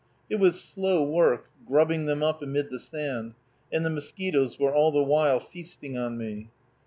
It was slow work, grubbing them up amid the sand, and the mosquitoes were all the while feasting on me.